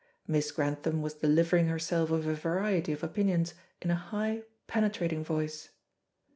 Miss Grantham was delivering herself of a variety of opinions in a high, penetrating voice.